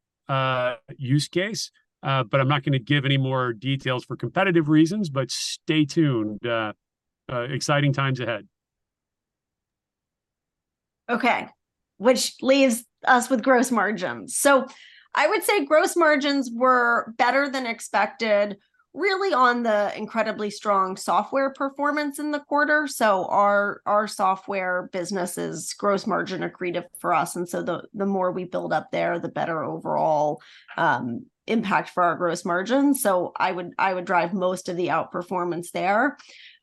use case. But I'm not gonna give any more details for competitive reasons, but stay tuned. Exciting times ahead. Okay, which leaves us with gross margins. So I would say gross margins were better than expected, really on the incredibly strong software performance in the quarter. So our software business's gross margin accretive for us, and so the more we build up there, the better overall impact for our gross margin. So I would drive most of the outperformance there.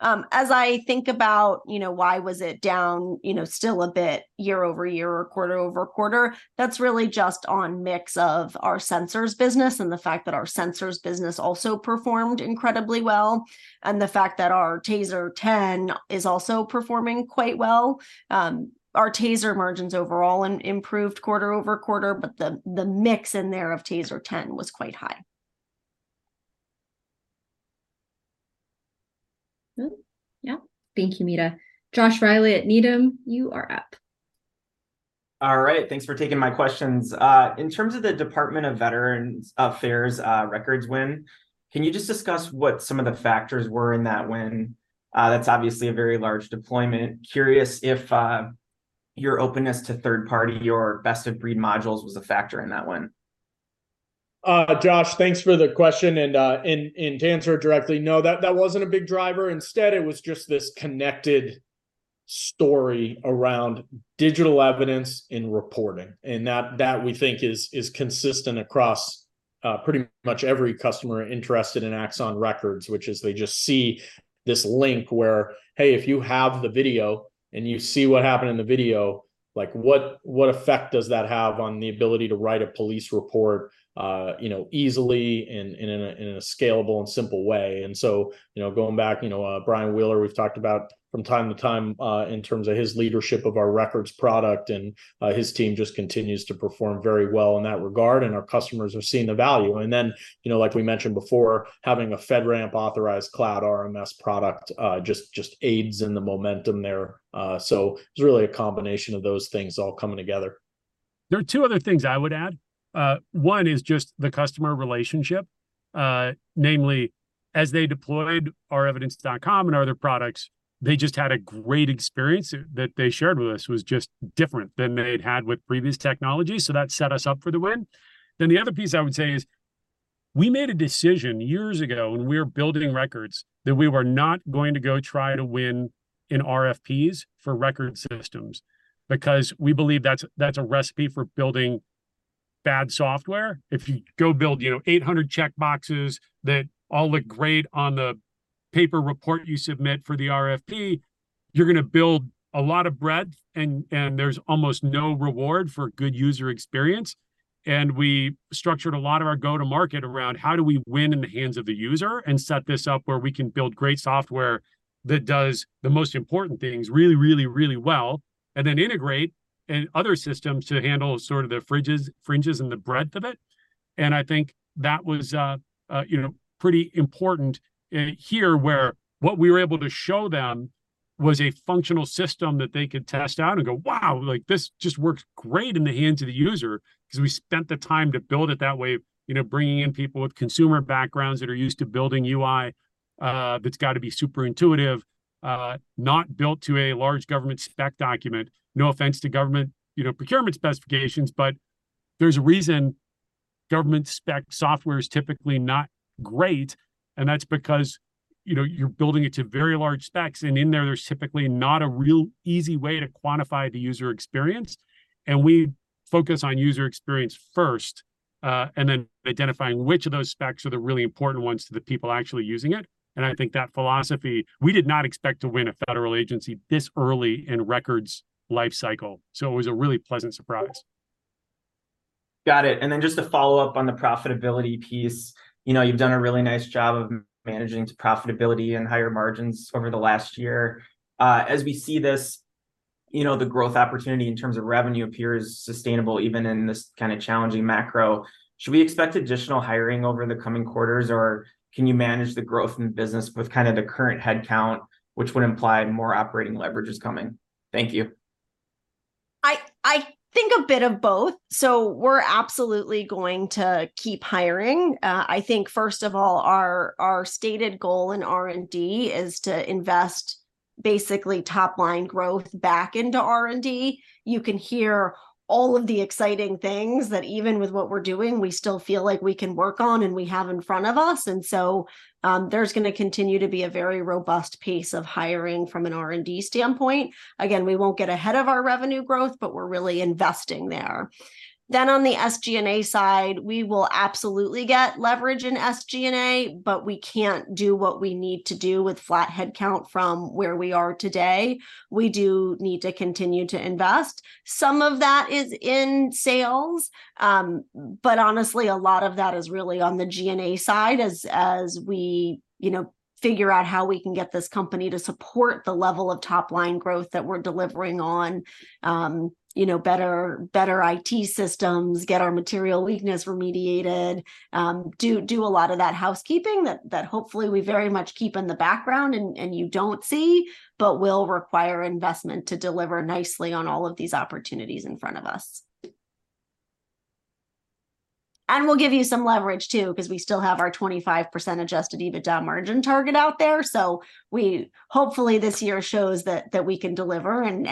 As I think about, you know, why was it down, you know, still a bit year-over-year or quarter-over-quarter, that's really just on mix of our sensors business and the fact that our sensors business also performed incredibly well, and the fact that our TASER 10 is also performing quite well. Our TASER margins overall improved quarter-over-quarter, but the mix in there of TASER 10 was quite high. Mm-hmm. Yeah. Thank you, Meta. Josh Reilly at Needham, you are up. All right, thanks for taking my questions. In terms of the Department of Veterans Affairs, records win, can you just discuss what some of the factors were in that win? That's obviously a very large deployment. Curious if, your openness to third party, your best-of-breed modules was a factor in that win. Josh, thanks for the question, and to answer it directly, no, that wasn't a big driver. Instead, it was just this connected story around digital evidence in reporting, and that, we think, is consistent across pretty much every customer interested in Axon Records, which is they just see this link where, hey, if you have the video, and you see what happened in the video, like, what effect does that have on the ability to write a police report, you know, easily in a scalable and simple way? And so, you know, going back, you know, Bryan Wheeler, we've talked about from time to time, in terms of his leadership of our records product, and his team just continues to perform very well in that regard, and our customers are seeing the value. And then, you know, like we mentioned before, having a FedRAMP authorized cloud RMS product, just aids in the momentum there. So it's really a combination of those things all coming together. There are two other things I would add. One is just the customer relationship. Namely, as they deployed our Evidence.com and our other products, they just had a great experience that they shared with us. It was just different than they'd had with previous technology, so that set us up for the win. Then the other piece I would say is, we made a decision years ago when we were building records that we were not going to go try to win in RFPs for record systems, because we believe that's a recipe for building bad software. If you go build, you know, 800 check boxes that all look great on the paper report you submit for the RFP, you're gonna build a lot of breadth, and there's almost no reward for good user experience. We structured a lot of our go-to-market around how do we win in the hands of the user, and set this up where we can build great software that does the most important things really, really, really well, and then integrate in other systems to handle sort of the fringes and the breadth of it. I think that was, you know, pretty important here, where what we were able to show them was a functional system that they could test out and go, "Wow!" Like, this just works great in the hands of the user, 'cause we spent the time to build it that way. You know, bringing in people with consumer backgrounds that are used to building UI, that's gotta be super intuitive, not built to a large government spec document. No offense to government, you know, procurement specifications, but there's a reason government spec software is typically not great, and that's because, you know, you're building it to very large specs, and in there, there's typically not a real easy way to quantify the user experience. And we focus on user experience first, and then identifying which of those specs are the really important ones to the people actually using it. And I think that philosophy... We did not expect to win a federal agency this early in Records' life cycle, so it was a really pleasant surprise. Got it. And then just to follow up on the profitability piece, you know, you've done a really nice job of managing to profitability and higher margins over the last year. As we see this, you know, the growth opportunity in terms of revenue appears sustainable even in this kinda challenging macro. Should we expect additional hiring over the coming quarters, or can you manage the growth in the business with kinda the current head count, which would imply more operating leverage is coming? Thank you. I think a bit of both. So we're absolutely going to keep hiring. I think, first of all, our stated goal in R&D is to invest basically top-line growth back into R&D. You can hear all of the exciting things that even with what we're doing, we still feel like we can work on and we have in front of us. And so, there's gonna continue to be a very robust pace of hiring from an R&D standpoint. Again, we won't get ahead of our revenue growth, but we're really investing there. Then on the SG&A side, we will absolutely get leverage in SG&A, but we can't do what we need to do with flat head count from where we are today. We do need to continue to invest. Some of that is in sales. But honestly, a lot of that is really on the G&A side as we, you know, figure out how we can get this company to support the level of top-line growth that we're delivering on. You know, better IT systems, get our material weakness remediated, do a lot of that housekeeping that hopefully we very much keep in the background and you don't see, but will require investment to deliver nicely on all of these opportunities in front of us. And we'll give you some leverage, too, 'cause we still have our 25% Adjusted EBITDA margin target out there. So hopefully, this year shows that we can deliver and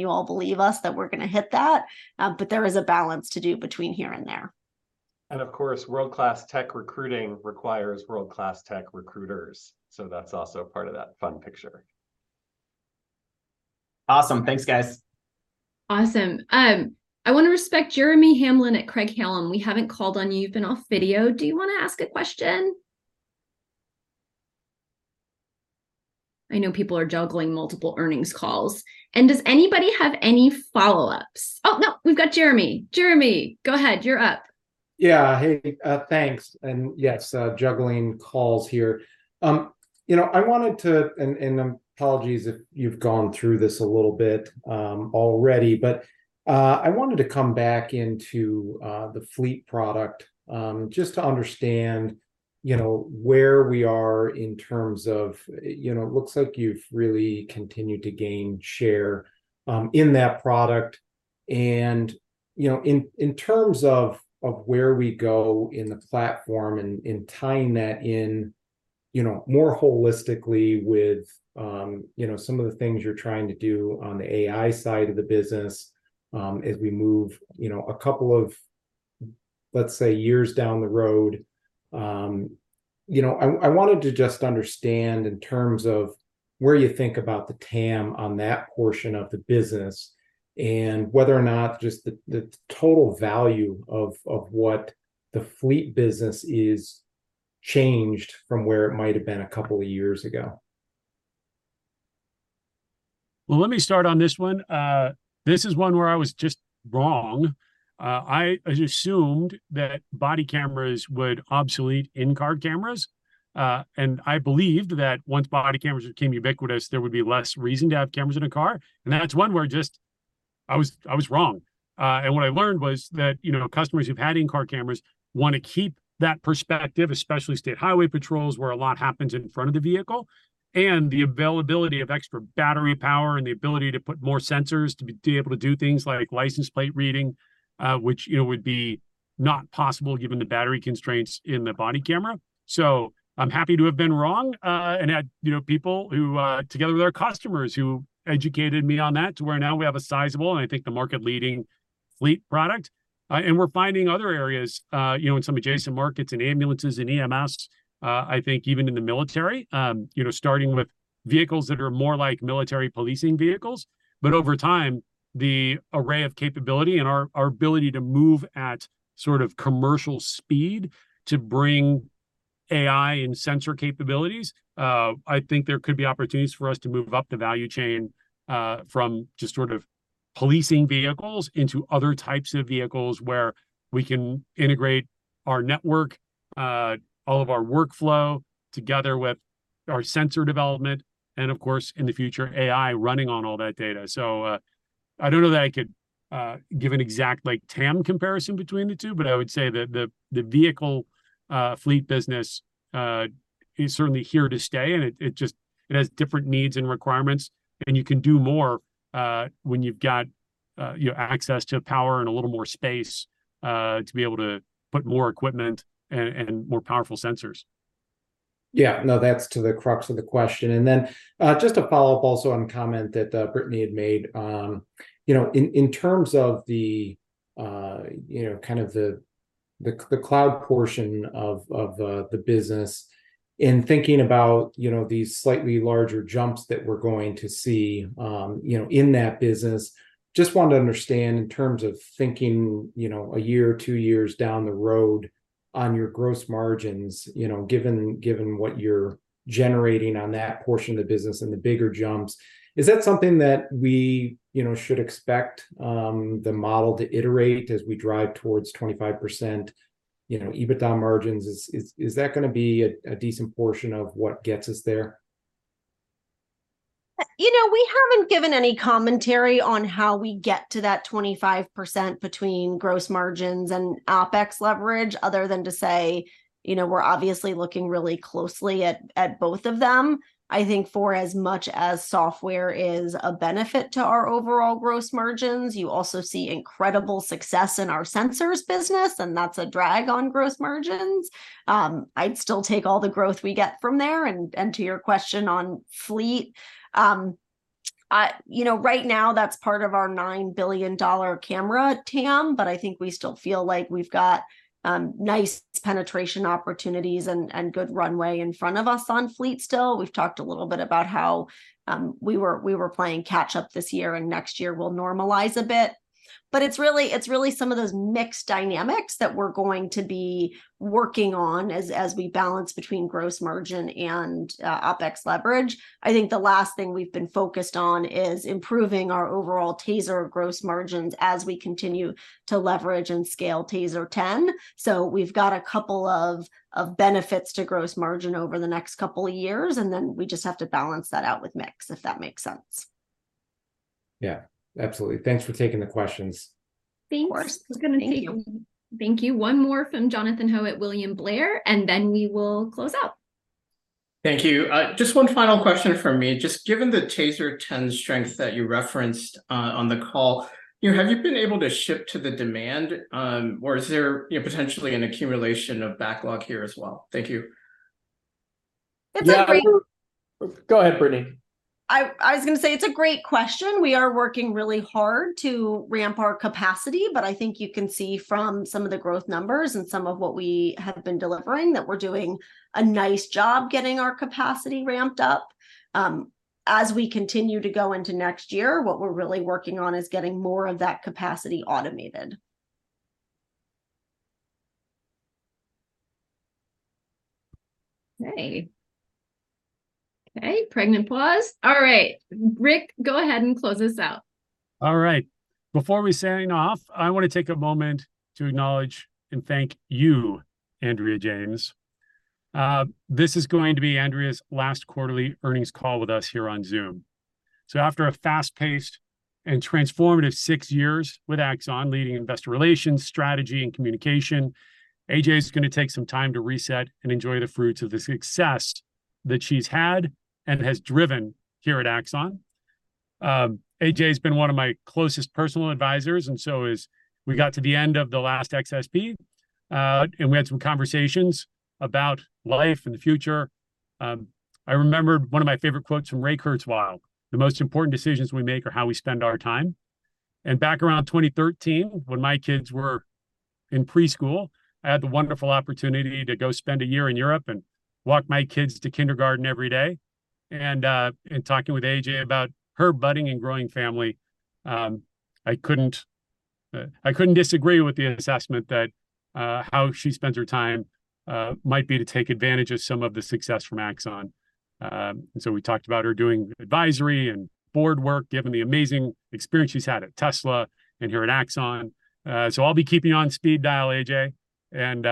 you all believe us, that we're gonna hit that. But there is a balance to do between here and there. Of course, world-class tech recruiting requires world-class tech recruiters, so that's also part of that fun picture. Awesome. Thanks, guys. Awesome. I wanna respect Jeremy Hamblin at Craig-Hallum. We haven't called on you. You've been off video. Do you wanna ask a question? I know people are juggling multiple earnings calls. Does anybody have any follow-ups? Oh, no, we've got Jeremy. Jeremy, go ahead. You're up. Yeah. Hey, thanks, and yes, juggling calls here. You know, I wanted to... And, apologies if you've gone through this a little bit, already, but, I wanted to come back into the fleet product, just to understand, you know, where we are in terms of... You know, it looks like you've really continued to gain share, in that product. And, you know, in terms of where we go in the platform, and tying that in, you know, more holistically with, you know, some of the things you're trying to do on the AI side of the business, as we move, you know, a couple of, let's say, years down the road. You know, I wanted to just understand in terms of where you think about the TAM on that portion of the business, and whether or not just the total value of what the fleet business is changed from where it might have been a couple of years ago. Well, let me start on this one. This is one where I was just wrong. I assumed that body cameras would obsolete in-car cameras. And I believed that once body cameras became ubiquitous, there would be less reason to have cameras in a car, and that's one where just I was wrong. And what I learned was that, you know, customers who've had in-car cameras wanna keep that perspective, especially state highway patrols, where a lot happens in front of the vehicle, and the availability of extra battery power and the ability to put more sensors to be able to do things like license plate reading, which, you know, would be not possible given the battery constraints in the body camera. So I'm happy to have been wrong, and had, you know, people who, together with our customers, who educated me on that to where now we have a sizable, and I think the market-leading, fleet product. And we're finding other areas, you know, in some adjacent markets, in ambulances, in EMS, I think even in the military. You know, starting with vehicles that are more like military policing vehicles. But over time, the array of capability and our ability to move at sort of commercial speed to bring AI and sensor capabilities, I think there could be opportunities for us to move up the value chain, from just sort of policing vehicles into other types of vehicles, where we can integrate our network, all of our workflow, together with our sensor development and, of course, in the future, AI running on all that data. So, I don't know that I could give an exact like, TAM comparison between the two, but I would say that the vehicle fleet business is certainly here to stay, and it just has different needs and requirements, and you can do more when you've got, you know, access to power and a little more space to be able to put more equipment and more powerful sensors. Yeah. No, that's to the crux of the question. And then, just a follow-up also on a comment that Brittany had made. You know, in terms of the, you know, kind of the cloud portion of the business, in thinking about, you know, these slightly larger jumps that we're going to see, you know, in that business, just wanted to understand in terms of thinking, you know, a year or two years down the road on your gross margins, you know, given what you're generating on that portion of the business and the bigger jumps, is that something that we, you know, should expect, the model to iterate as we drive towards 25%, you know, EBITDA margins? Is that gonna be a decent portion of what gets us there? You know, we haven't given any commentary on how we get to that 25% between gross margins and OpEx leverage, other than to say, you know, we're obviously looking really closely at both of them. I think for as much as software is a benefit to our overall gross margins, you also see incredible success in our sensors business, and that's a drag on gross margins. I'd still take all the growth we get from there. And to your question on fleet, you know, right now, that's part of our $9 billion camera TAM, but I think we still feel like we've got nice penetration opportunities and good runway in front of us on fleet still. We've talked a little bit about how we were playing catch-up this year, and next year we'll normalize a bit. It's really, it's really some of those mixed dynamics that we're going to be working on as we balance between gross margin and OPEX leverage. I think the last thing we've been focused on is improving our overall TASER gross margins as we continue to leverage and scale TASER 10. We've got a couple of benefits to gross margin over the next couple of years, and then we just have to balance that out with mix, if that makes sense. Yeah, absolutely. Thanks for taking the questions. Of course. Thank you. Thank you. One more from Jonathan Ho at William Blair, and then we will close out. Thank you. Just one final question from me. Just given the TASER 10 strength that you referenced, on the call, you know, have you been able to ship to the demand, or is there, you know, potentially an accumulation of backlog here as well? Thank you. It's a great- Yeah... Go ahead, Brittany. I was gonna say, it's a great question. We are working really hard to ramp our capacity, but I think you can see from some of the growth numbers and some of what we have been delivering, that we're doing a nice job getting our capacity ramped up. As we continue to go into next year, what we're really working on is getting more of that capacity automated. Great. Okay, pregnant pause. All right. Rick, go ahead and close us out. All right. Before we sign off, I wanna take a moment to acknowledge and thank you, Andrea James. This is going to be Andrea's last quarterly earnings call with us here on Zoom. So after a fast-paced and transformative six years with Axon, leading investor relations, strategy, and communication, A.J's gonna take some time to reset and enjoy the fruits of the success that she's had and has driven here at Axon. A.J's been one of my closest personal advisors, and so as we got to the end of the last XSP, and we had some conversations about life and the future, I remembered one of my favorite quotes from Ray Kurzweil, "The most important decisions we make are how we spend our time." Back around 2013, when my kids were in preschool, I had the wonderful opportunity to go spend a year in Europe and walk my kids to kindergarten every day. In talking with A.J. about her budding and growing family, I couldn't disagree with the assessment that how she spends her time might be to take advantage of some of the success from Axon. So we talked about her doing advisory and board work, given the amazing experience she's had at Tesla and here at Axon. So I'll be keeping you on speed dial, A.J. and,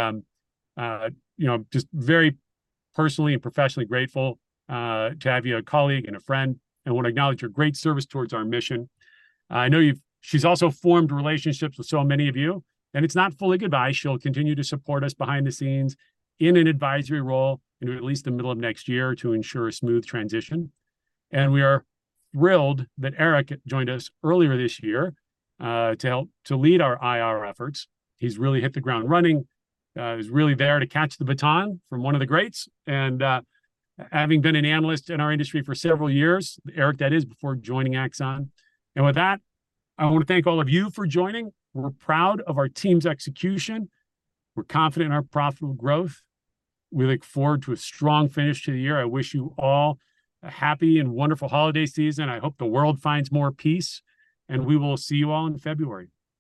you know, just very personally and professionally grateful to have you, a colleague and a friend, and want to acknowledge your great service towards our mission. I know she's also formed relationships with so many of you, and it's not fully goodbye, she'll continue to support us behind the scenes in an advisory role, into at least the middle of next year, to ensure a smooth transition. And we are thrilled that Eric joined us earlier this year, to help to lead our IR efforts. He's really hit the ground running, he's really there to catch the baton from one of the greats. And, having been an analyst in our industry for several years, Eric, that is, before joining Axon. And with that, I want to thank all of you for joining. We're proud of our team's execution. We're confident in our profitable growth. We look forward to a strong finish to the year. I wish you all a happy and wonderful holiday season. I hope the world finds more peace, and we will see you all in February. Thank you.